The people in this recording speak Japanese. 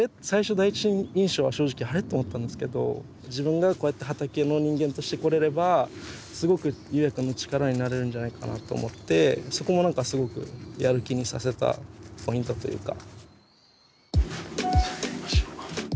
最初第一印象は正直あれっ？と思ったんですけど自分がこうやって畑の人間として来れればすごく侑弥くんの力になれるんじゃないかなと思ってそこも何かすごくやる気にさせたポイントというか。